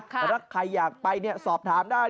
แต่ถ้าใครอยากไปสอบถามได้